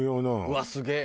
うわっすげえ！